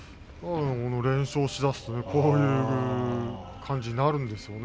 連勝しだすとこういう感じになるんですよね。